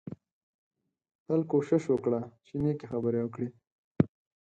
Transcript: تل کوشش وکړه چې نېکې خبرې وکړې